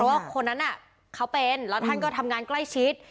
ว่าคนนั้นเขาเป็นแล้วท่านก็ทำงานใกล้ชิด